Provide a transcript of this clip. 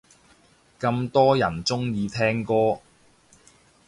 咁多人鍾意聽歌